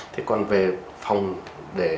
thế còn về phòng để